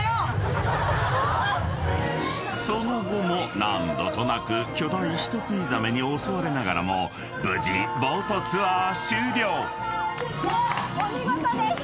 ［その後も何度となく巨大人食いザメに襲われながらも無事ボートツアー終了］フェ。